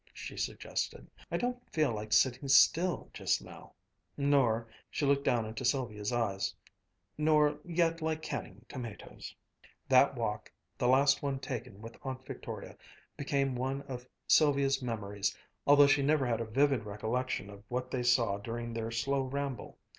she suggested. "I don't feel like sitting still just now nor" she looked down into Sylvia's eyes "nor yet like canning tomatoes," That walk, the last one taken with Aunt Victoria, became one of Sylvia's memories, although she never had a vivid recollection of what they saw during their slow ramble.